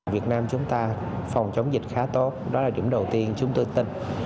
việt nam chúng ta phòng chống dịch khá tốt đó là điểm đầu tiên chúng tôi tin